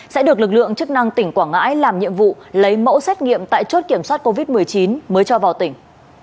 sẽ được lực lượng chức năng tỉnh quảng ngãi làm nhiệm vụ lấy mẫu xét nghiệm tại chốt kiểm soát covid một mươi chín mới cho vào tỉnh